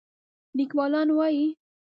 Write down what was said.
لیکوالان وايي